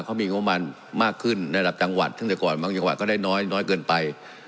เขามีงบมันมากขึ้นในระดับจังหวัดซึ่งแต่ก่อนบางจังหวัดก็ได้น้อยน้อยเกินไป